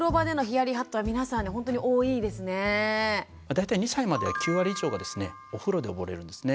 大体２歳までは９割以上がですねお風呂で溺れるんですね。